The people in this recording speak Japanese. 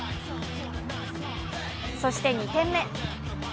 そして２点目。